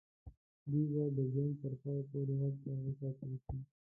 دوی به د جنګ تر پایه پوري هلته وساتل شي.